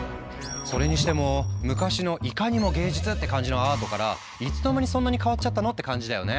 それにしても昔の「いかにも芸術」って感じのアートからいつの間にそんなに変わっちゃったのって感じだよね。